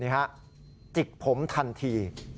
นี่ฮะจิกผมทันที